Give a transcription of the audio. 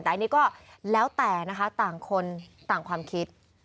แต่อันนี้ก็แล้วแต่นะคะต่างคนต่างความคิด